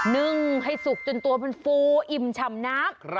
นึ่งให้สุกจนตัวมันฟูอิ่มฉ่ำน้ำ